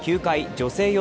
女性用